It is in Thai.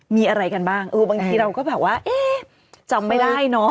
มีอะไรกันบ้างเออบางทีเราก็แบบว่าเอ๊ะจำไม่ได้เนอะ